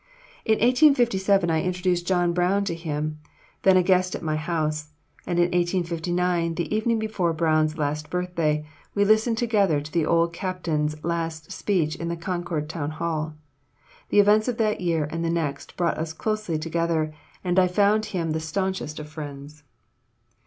In 1857 I introduced John Brown to him, then a guest at my house; and in 1859, the evening before Brown's last birthday, we listened together to the old captain's last speech in the Concord Town Hall. The events of that year and the next brought us closely together, and I found him the stanchest of friends.